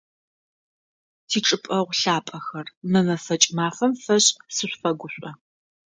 Тичӏыпӏэгъу лъапӏэхэр, мы мэфэкӏ мафэм фэшӏ сышъуфэгушӏо!